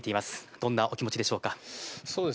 どんなお気持ちでしょうか？